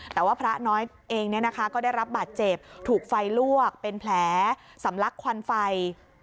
แต่ว่าพระน้อยเองก็ได้รับบาดเจ็บถูกไฟลวกเป็นแผลสำลักควันไฟ